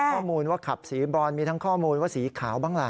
ข้อมูลว่าขับสีบรอนมีทั้งข้อมูลว่าสีขาวบ้างล่ะ